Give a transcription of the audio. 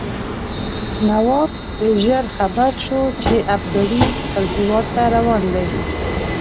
نواب ژر خبر شو چې ابدالي خپل هیواد ته روان دی.